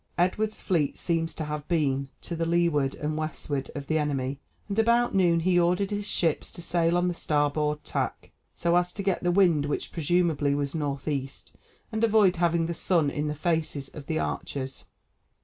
Edward's fleet seems to have been "to the leeward and westward" of the enemy, and about noon he ordered his ships to sail on the starboard tack, so as to get the wind which presumably was north east, and avoid having the sun in the faces of the archers.